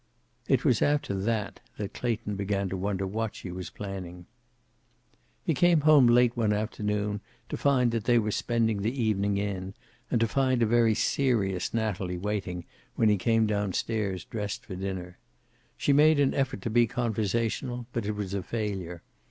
It was after that that Clayton began to wonder what she was planning. He came home late one afternoon to find that they were spending the evening in, and to find a very serious Natalie waiting, when he came down stairs dressed for dinner. She made an effort to be conversational, but it was a failure.